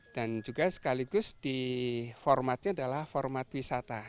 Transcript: dan juga sekaligus di formatnya adalah format wisata